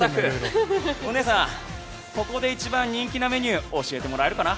お姉さんここで一番人気なメニュー教えてもらえるかな。